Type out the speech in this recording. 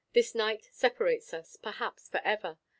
This night separates us, perhaps, forever.